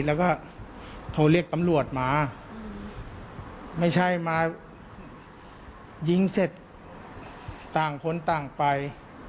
แล้วก็โทรเรียกตำรวจมาไม่ใช่มายิงเสร็จต่างคนต่างไป